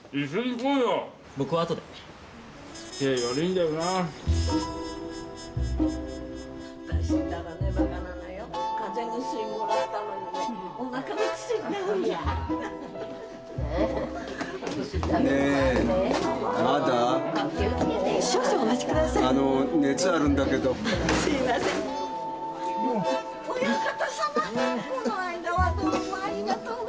この間はどうもありがとうございました。